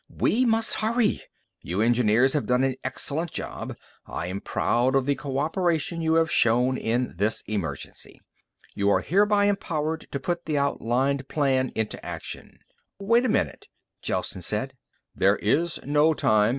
"We must hurry. You engineers have done an excellent job. I am proud of the cooperation you have shown in this emergency. You are hereby empowered to put the outlined plan into action." "Wait a minute," Gelsen said. "There is no time."